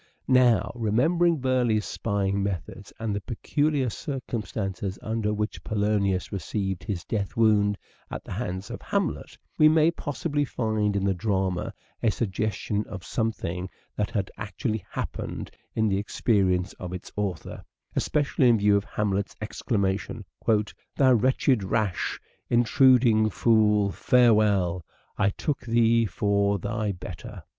Now, remembering Burleigh's spying methods and the peculiar circumstances under which Polonius received his death wound at the hands of Hamlet, we may possibly find in the drama a suggestion of some thing that had actually happened in the experience of its author ; especially in view of Hamlet's exclama tion :' Thou wretched, rash, intruding fool, farewell !/ took thee for thy better."